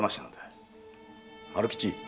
春吉